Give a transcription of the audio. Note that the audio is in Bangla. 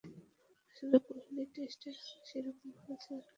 আসলে কোহলি টেস্টে আগে সেরকম ভালো ছিলেন না, যতটা ছিলেন ওয়ানডেতে।